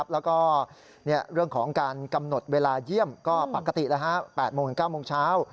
แล้วก็เรื่องของการกำหนดเวลาเยี่ยมก็ปกติ๘โมงถึง๙โมงเช้า